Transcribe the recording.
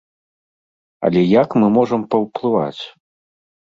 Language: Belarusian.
Але як мы можам паўплываць?!